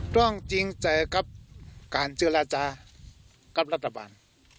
ต้องจริงใจกับการเจรจากับรัฐบาล